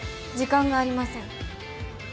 時間がありません。